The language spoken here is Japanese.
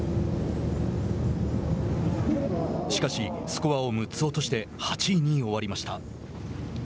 しかし、スコアを６つ落として８位に終わりました。